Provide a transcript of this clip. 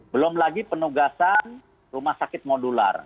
belum lagi penugasan rumah sakit modular